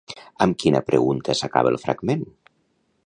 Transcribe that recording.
Amb quina pregunta s'acaba el fragment?